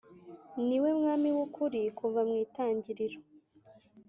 niwe mwami w’ ukuri kuva mwitangiriro